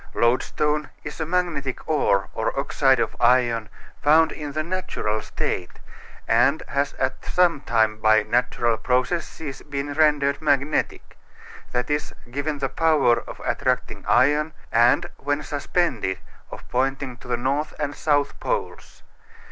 Loadstone is a magnetic ore or oxide of iron found in the natural state, and has at some time by natural processes been rendered magnetic that is, given the power of attracting iron, and, when suspended, of pointing to the North and South Poles.